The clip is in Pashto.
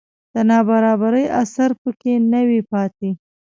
د نابرابرۍ اثر په کې نه وي پاتې